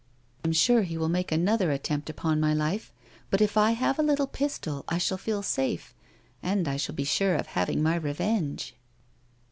I am sure he will make another attempt upon my life, but if I have a little pistol I shall feel safe, and I shall be sure of having my re venge."